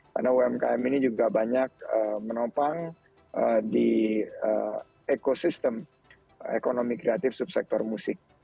karena umkm ini juga banyak menopang di ekosistem ekonomi kreatif subsektor musik